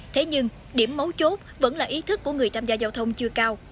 thế nhưng điểm mấu chốt vẫn là ý thức của người tham gia giao thông chưa cao